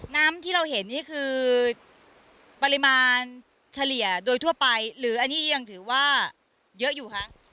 น้ำที่เราเห็นนี่คือปริมาณเฉลี่ยโดยทั่วไปหรืออันนี้ยังถือว่าเยอะอยู่คะ